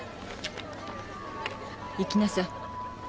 行きなさい。